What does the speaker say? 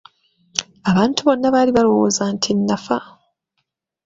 Abantu bonna baali balowooza nti nafa.